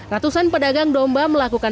ratusan pedagang domba melakukan